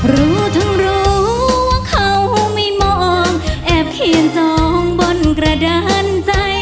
รู้ทั้งรู้ว่าเขาไม่มองแอบเขียนจองบนกระดานใจ